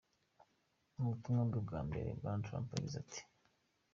Mu butumwa bwe bwa mbere, Bwana Trump yagize ati: .